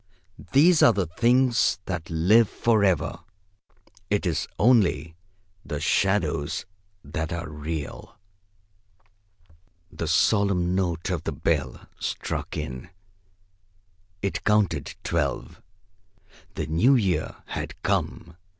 These are the things that live for ever. It is only the shadows that are real!" The solemn note of the bell struck in. It counted twelve. The new year had come.